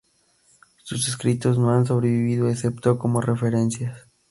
Sus escritos no han sobrevivido, excepto como referencias.